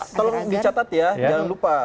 tolong dicatat ya jangan lupa